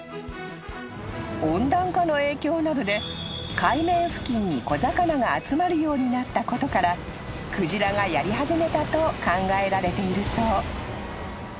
［温暖化の影響などで海面付近に小魚が集まるようになったことから鯨がやり始めたと考えられているそう］